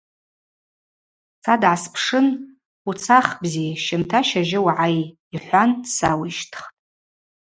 Са дгӏаспшын: – Уцах, бзи, щымта щажьы угӏай, – йхӏван сауищтхтӏ.